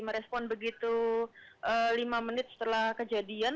merespon begitu lima menit setelah kejadian